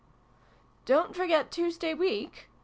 " Don't forget Tuesday week